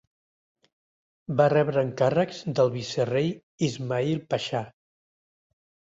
Va rebre encàrrecs del vicerei Ismail Pasha.